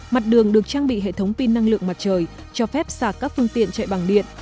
mặt đường được trang bị hệ thống pin năng lượng mặt trời cho phép xả các phương tiện chạy bằng điện